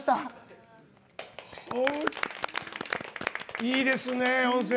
いいですね、温泉。